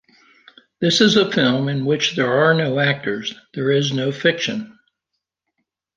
This is a film in which there are no actors, there is no fiction.